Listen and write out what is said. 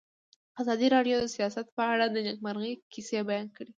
ازادي راډیو د سیاست په اړه د نېکمرغۍ کیسې بیان کړې.